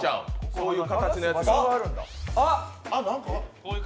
そういう形のが？